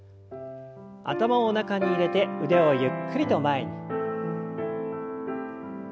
頭を中に入れて腕をゆっくりと前に。